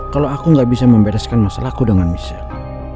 kalau aku gak bisa membedaskan masalahku dengan michelle